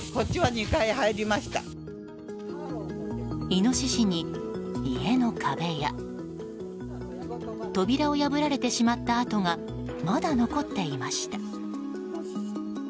イノシシに家の壁や扉を破られてしまった跡がまだ残っていました。